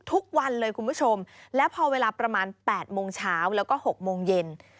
ทุกวันเลยคุณผู้ชมแล้วพอเวลาประมาณ๘โมงเช้าแล้วก็๖โมงเย็น